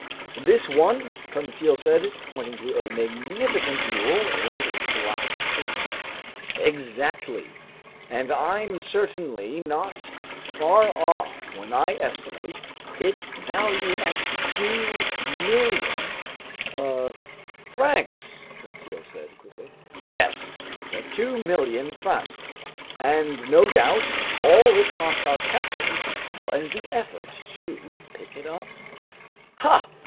"This one?" Conseil said, pointing to a magnificent jewel in its glass case. "Exactly. And I'm certainly not far off when I estimate its value at 2,000,000 ... uh ..." "Francs!" Conseil said quickly. "Yes," I said, "2,000,000 francs, and no doubt all it cost our captain was the effort to pick it up." "Ha!"